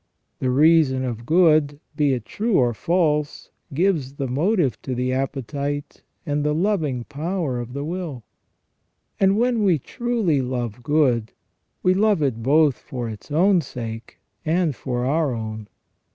The reason of good, be it true or false, gives the motive to the appetite and the loving power of the will ; and when we truly love good, we love it both for its own sake and for our own.